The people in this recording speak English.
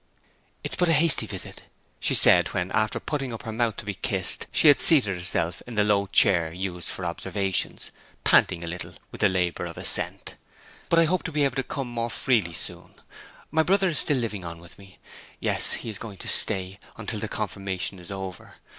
'It is but a hasty visit,' she said when, after putting up her mouth to be kissed, she had seated herself in the low chair used for observations, panting a little with the labour of ascent. 'But I hope to be able to come more freely soon. My brother is still living on with me. Yes, he is going to stay until the confirmation is over.